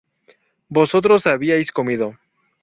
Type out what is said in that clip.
Vosotros habíais comido